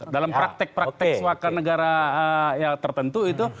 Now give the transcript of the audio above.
dalam praktek praktek suaka negara tertentu itu